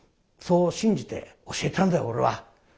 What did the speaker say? そう信じて教えたんだよ俺は。